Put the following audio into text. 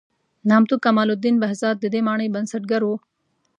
نامتو کمال الدین بهزاد د دې مانۍ بنسټګر و.